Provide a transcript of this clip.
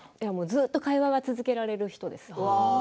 ずっと会話が続けられる人です。